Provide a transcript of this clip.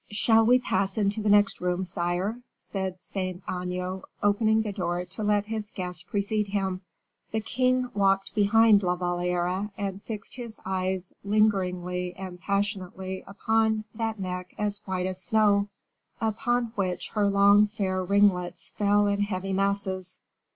"Shall we pass into the next room, sire?" said Saint Aignan, opening the door to let his guests precede him. The king walked behind La Valliere, and fixed his eyes lingeringly and passionately upon that neck as white as snow, upon which her long fair ringlets fell in heavy masses.